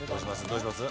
どうします？